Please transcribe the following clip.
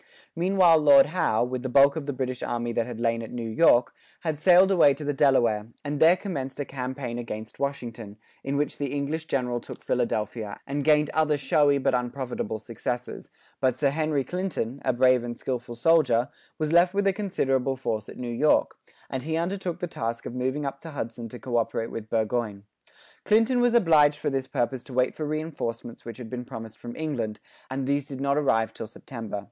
Meanwhile Lord Howe, with the bulk of the British army that had lain at New York, had sailed away to the Delaware, and there commenced a campaign against Washington, in which the English general took Philadelphia, and gained other showy, but unprofitable successes, But Sir Henry Clinton, a brave and skilful officer, was left with a considerable force at New York; and he undertook the task of moving up the Hudson to co operate with Burgoyne. Clinton was obliged for this purpose to wait for reinforcements which had been promised from England, and these did not arrive till September.